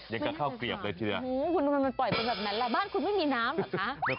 คุณปล่อยแบบนั้นบ้านคุณไม่มีน้ำหรือคะ